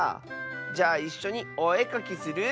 じゃあいっしょにおえかきする？